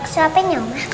suapin ya mama